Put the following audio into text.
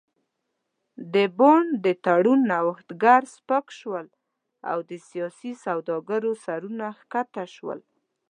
د بن د تړون نوښتګر سپک شول او د سیاسي سوداګرو سرونه ښکته شول.